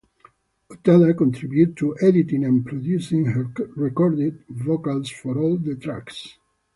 Utada contributed to editing and producing her recorded vocals for all the tracks.